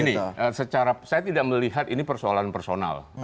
begini secara saya tidak melihat ini persoalan personal